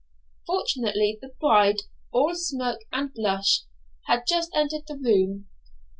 Fortunately the bride, all smirk and blush, had just entered the room.